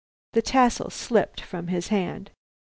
The tassel slipped from his hand.